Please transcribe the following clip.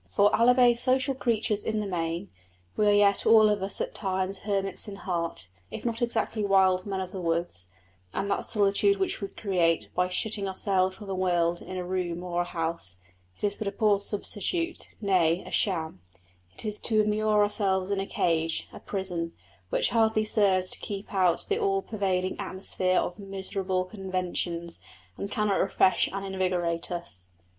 For albeit social creatures in the main, we are yet all of us at times hermits in heart, if not exactly wild men of the woods; and that solitude which we create by shutting ourselves from the world in a room or a house, is but a poor substitute nay, a sham: it is to immure ourselves in a cage, a prison, which hardly serves to keep out the all pervading atmosphere of miserable conventions, and cannot refresh and invigorate us.